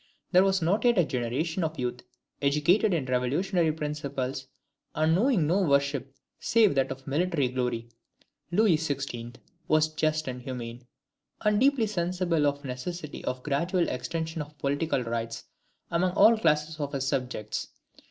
There was not yet a generation of youth educated in revolutionary principles, and knowing no worship save that of military glory, Louis XVI. was just and humane, and deeply sensible of the necessity of a gradual extension of political rights among all classes of his subjects.